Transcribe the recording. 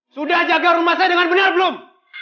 sudah jaga rumah saya dengan benar belum